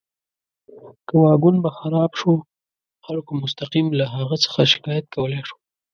که واګون به خراب شو، خلکو مستقیم له هغه څخه شکایت کولی شو.